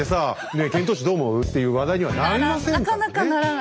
「ねえ遣唐使どう思う？」っていう話題にはなりませんからね。